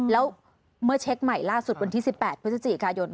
แล้วเมื่อเช็คใหม่ล่าสุดวันที่๑๘พฤศจิกายน